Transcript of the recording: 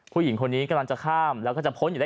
ผู้หญิงคนนี้กำลังจะข้ามแล้วก็จะพ้นอยู่แล้ว